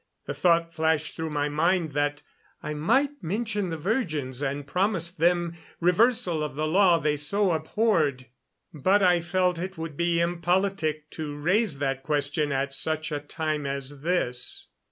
The thought flashed through my mind that I might mention the virgins and promise them reversal of the law they so abhorred, but I felt it would be impolitic to raise that question at such a time as this.